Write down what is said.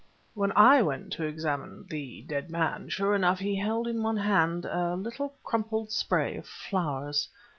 "When I went to examine the dead man, sure enough he held in one hand a little crumpled spray of flowers.